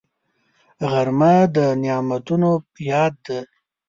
غرمه د نعمتونو یاد ده